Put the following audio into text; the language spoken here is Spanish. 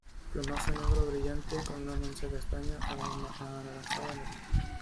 Plumaje negro brillante con una mancha castaña a anaranjada en el hombro.